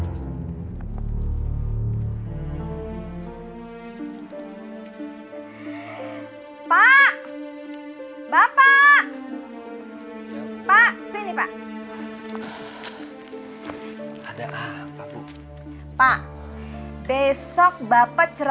itu udah berakhir